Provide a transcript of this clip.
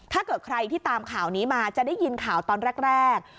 ถ้าเกิดใครที่ตามข่าวนี้มาจะได้ยินข่าวตอนแรก